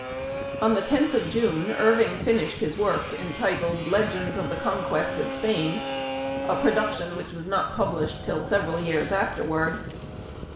"' On the ioth of June Irving finished his work entitled " Legends of the Conquest of Spain," a production which was not published till several years afterward.